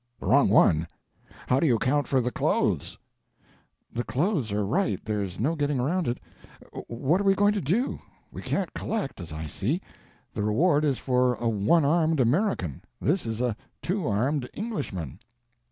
"The wrong one? How do you account for the clothes?" "The clothes are right, there's no getting around it. What are we going to do? We can't collect, as I see. The reward is for a one armed American. This is a two armed Englishman."